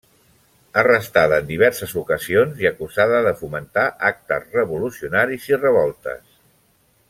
Arrestada en diverses ocasions i acusada de fomentar actes revolucionaris i revoltes.